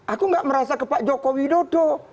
aku gak merasa ke pak jokowi dodo